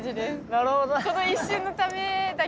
なるほど。